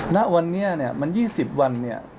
ณวันนี้มัน๒๐วัน